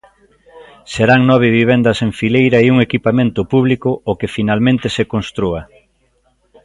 Serán nove vivendas en fileira e un equipamento público o que finalmente se constrúa.